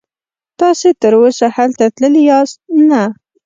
تاسې تراوسه هلته تللي یاست؟ نه.